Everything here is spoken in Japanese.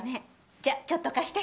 じゃあ、ちょっと貸して。